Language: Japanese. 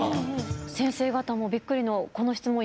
先生方もびっくりのこの質問